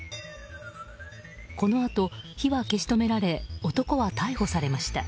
このあと火は消し止められ男は逮捕されました。